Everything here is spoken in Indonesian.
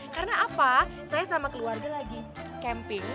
karena apa saya sama keluarga lagi camping